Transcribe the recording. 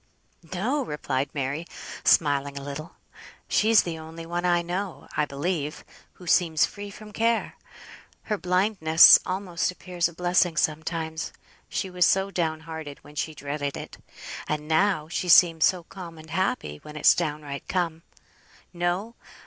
"No!" replied Mary, smiling a little, "she's the only one I know, I believe, who seems free from care. Her blindness almost appears a blessing sometimes; she was so downhearted when she dreaded it, and now she seems so calm and happy when it's downright come. No!